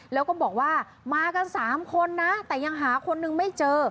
แล้วก็บอกว่ามากัน๓คนนะแต่ยังหาคนนึงไม่เจอ